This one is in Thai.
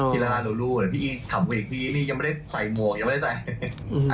พี่ลาล่ากับลูลูถ้าพี่อีททำอีทพี่อีทนี่ยังไม่ได้ใส่หมวกยังไม่ได้ใส่